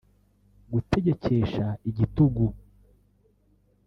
gutegekesha igitugu